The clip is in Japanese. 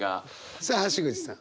さあ橋口さん。